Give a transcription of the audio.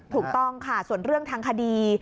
ถูกต้องค่ะส่วนเรื่องทางคดี